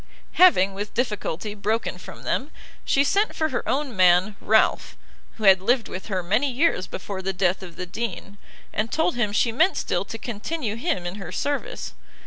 Having, with difficulty, broken from them, she sent for her own man, Ralph, who had lived with her many years before the death of the Dean, and told him she meant still to continue him in her service.